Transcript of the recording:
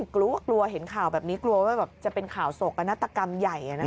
กลัวเห็นข่าวแบบนี้กลัวว่าจะเป็นข่าวโศกนาฏกรรมใหญ่